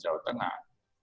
kebagian jawa tengah